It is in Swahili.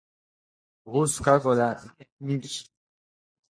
Kuhusu Kago la Nji